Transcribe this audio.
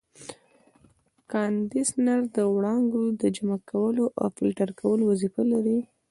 کاندنسر د وړانګو د جمع کولو او فلټر کولو وظیفه لري.